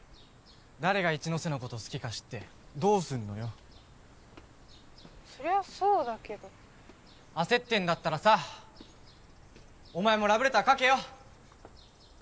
誰が一ノ瀬のこと好きか知ってどうすんのよそりゃそうだけど焦ってんだったらさお前もラブレター書けよ